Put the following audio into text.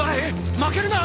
負けるな！